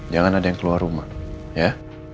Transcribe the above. jangan ada yang keluar rumah ya